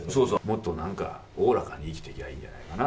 もっとなんかおおらかに生きていけばいいんじゃないな。